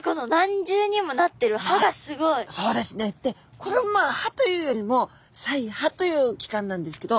これもまあ歯というよりも鰓耙という器官なんですけど。